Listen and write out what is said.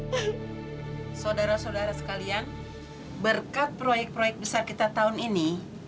saudara saudara sekalian berkat proyek proyek besar kita tahun ini